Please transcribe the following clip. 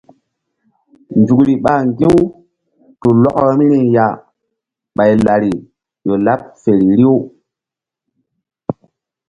Nzukri ɓa ŋgi̧-u tu lɔkɔ vbiri ya ɓay lari ƴo laɓ feri riw.